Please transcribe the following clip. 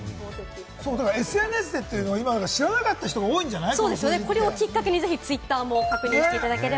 ＳＮＳでというのが知らなかった人、多いんじゃない？